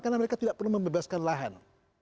karena mereka tidak perlu membebaskan lahan